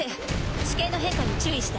地形の変化に注意して。